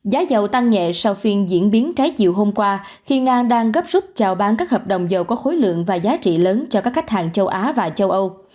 giá dầu tăng nhẹ sau phiên diễn biến trái chiều hôm qua khi nga đang gấp rút chào bán các hợp đồng dầu có khối lượng và giá trị lớn cho các khách hàng châu á và châu âu